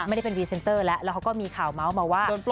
ไม่ได้เป็นพรีเซนเตอร์แล้วแล้วเขาก็มีข่าวเมาส์มาว่า